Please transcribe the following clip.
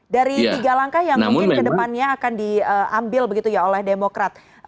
dari tiga langkah yang mungkin kedepannya akan diambil begitu ya oleh demokrat